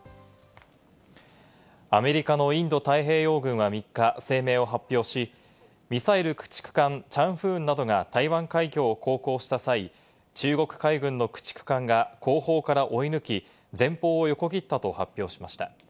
アメリカのインド太平洋軍は３日、声明を発表し、ミサイル駆逐艦「チャンフーン」などが台湾海峡を航行した際、中国海軍の駆逐艦が後方から追い抜き、前方を横切ったと発表しました。